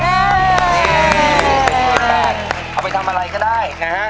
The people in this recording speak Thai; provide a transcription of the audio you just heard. เอาไปทำอะไรก็ได้นะ